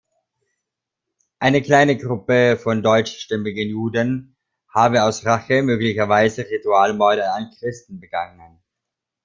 Eine kleine Gruppe von deutschstämmigen Juden habe aus Rache möglicherweise Ritualmorde an Christen begangen.